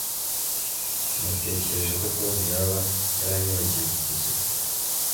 Natekereje ko Tom yaba yaranyibagiwe kugeza ubu